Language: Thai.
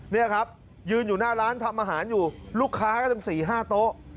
นี่ครับยืนอยู่หน้าร้านทำอาหารอยู่ลูกค้าก็ตั้ง๔๕โต๊ะ